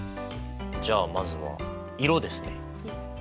じゃあまずは色ですね。